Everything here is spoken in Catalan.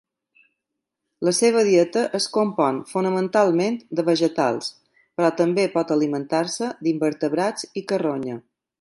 La seva dieta es compon fonamentalment de vegetals, però també pot alimentar-se d'invertebrats i carronya.